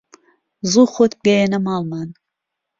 زوو خۆت بگەیەنە ماڵمان